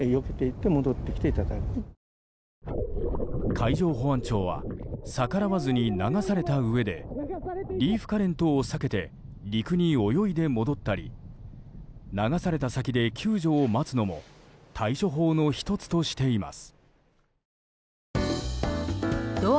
海上保安庁は逆らわずに流されたうえでリーフカレントを避けて陸に泳いで戻ったり流された先で救助を待つのも対処法の１つとしています。